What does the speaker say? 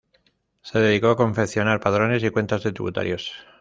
Se dedicó a confeccionar padrones y cuentas de tributarios.